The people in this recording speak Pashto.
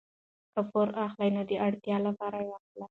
که پور اخلئ نو د اړتیا لپاره یې واخلئ.